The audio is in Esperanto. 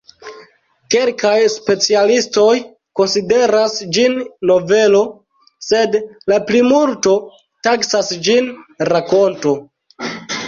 Kelkaj specialistoj konsideras ĝin novelo, sed la plimulto taksas ĝin rakonto.